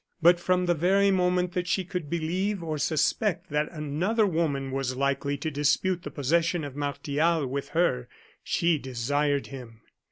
But from the very moment that she could believe or suspect that another woman was likely to dispute the possession of Martial with her, she desired him.